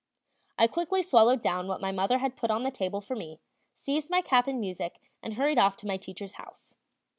I quickly swallowed down what my mother had put on the table for me, seized my cap and music, and hurried off to my teacher's house.